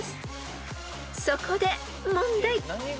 ［そこで問題］